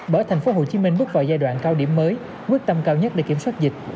bởi tp hcm bước vào giai đoạn cao điểm mới quyết tâm cao nhất để kiểm soát dịch